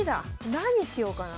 何しようかな。